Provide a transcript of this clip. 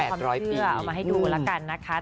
เอามาให้ดูแล้วนะคะ